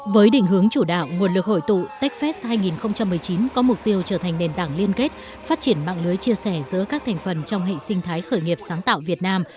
với định hướng chủ đạo nguồn lực hội tụ techfest hai nghìn một mươi chín có mục tiêu trở thành nền tảng liên kết phát triển mạng lưới chia sẻ giữa các thành phần trong hệ sinh thái khởi nghiệp sáng tạo việt nam